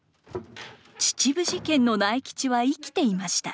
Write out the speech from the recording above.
秩父事件の苗吉は生きていました。